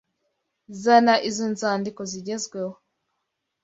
Zana izo nzandiko zigezweho.